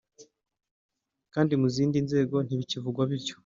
kandi mu zindi nzego ntibikivugwa bityo